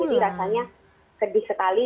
jadi rasanya sedih sekali